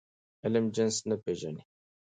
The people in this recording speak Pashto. علم جنس نه پېژني.